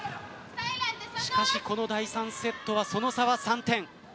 しかし、この第３セットはその差は３点。